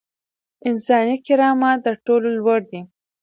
انساني کرامت تر ټولو لوړ دی.